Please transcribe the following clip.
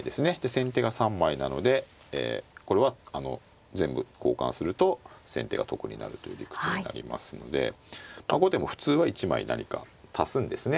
先手が３枚なのでこれは全部交換すると先手が得になるという理屈になりますので後手も普通は１枚何か足すんですね。